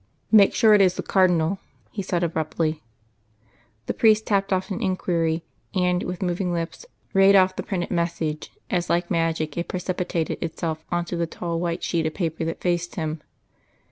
"Make sure it is the Cardinal," he said abruptly. The priest tapped off an enquiry, and, with moving lips, raid off the printed message, as like magic it precipitated itself on to the tall white sheet of paper that faced him.